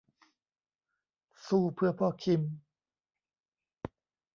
สู้เพื่อพ่อคิม !